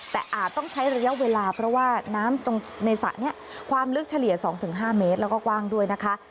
แต่อาจต้องใช้ระยะเวลาเพราะว่าน้ำตรงในสระนี้ความลึกเฉลี่ย๒๕เมตรแล้วก็กว้างด้วยนะคะ